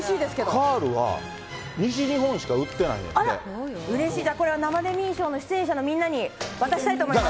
カールは、西日本しか売ってあら、うれしい、これを生デミー賞の出演者のみんなに渡したいと思います。